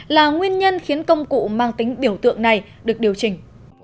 là nguyên nhân khiến công cụ mang tính biểu tượng này được điều chỉnh